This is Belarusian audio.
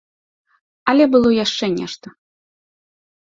Але было яшчэ нешта.